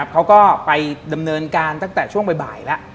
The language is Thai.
เขาก็ไปดำเนินการตั้งแต่ช่วงบ่ายแล้ว